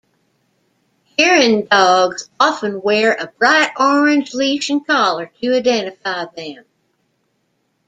Hearing dogs often wear a bright orange leash and collar to identify them.